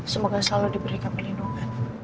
semoga selalu diberikan pelindungan